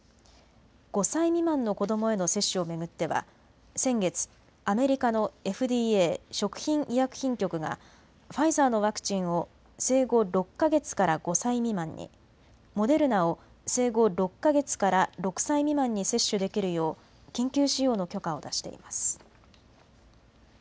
５歳未満の子どもへの接種を巡っては先月、アメリカのＦＤＡ・食品医薬品局がファイザーのワクチンを生後６か月から５歳未満に、モデルナを生後６か月から６歳未満に接種できるよう緊急使用の許可を出しています。